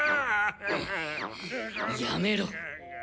やめろ。